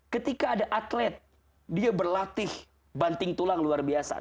ketika ada atlet dia berlatih banting tulang luar biasa